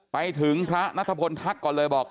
ไปถึงพระนัทพลทักก่อนเลยบอก